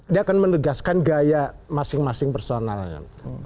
dia akan menegaskan gaya masing masing personalnya